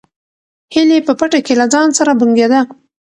هیلې په پټه کې له ځان سره بونګېده.